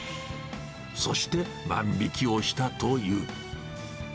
そして万引きをしたという。